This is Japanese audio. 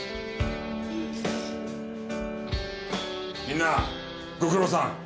みんなご苦労さん。